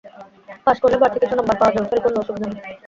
Pass করলে বাড়তি কিছু নম্বর পাওয়া যাবে, ফেল করলে অসুবিধা নেই।